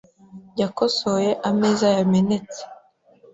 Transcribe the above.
Yakosoye ameza yamenetse .